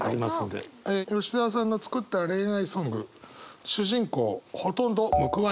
吉澤さんの作った恋愛ソング主人公ほとんど報われない。